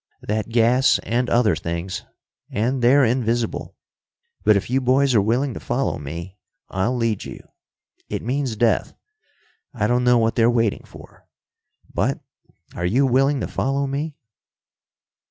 That gas and other things. And they're invisible. But if you boys are willing to follow me, I'll lead you. It means death. I don't know what they're waiting for. But are you willing to follow me?"